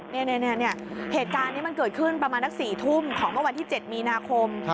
นี่เหตุการณ์นี้มันเกิดขึ้นประมาณนัก๔ทุ่มของเมื่อวันที่๗มีนาคม